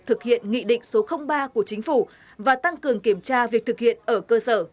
thực hiện nghị định số ba của chính phủ và tăng cường kiểm tra việc thực hiện ở cơ sở